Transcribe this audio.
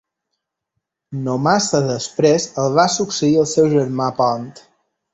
No massa després el va succeir el seu germà Pont.